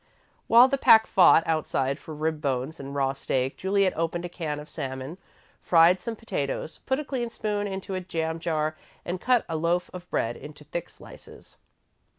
While the pack fought, outside, for rib bones and raw steak, Juliet opened a can of salmon, fried some potatoes, put a clean spoon into a jar of jam, and cut a loaf of bread into thick slices.